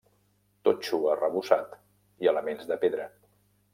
Totxo arrebossat i elements de pedra.